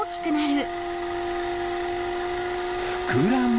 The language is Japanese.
ふくらむ！